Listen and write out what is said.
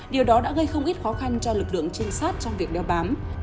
điều đó đã gây không ít khó khăn cho lực lượng trinh sát trong việc đeo bám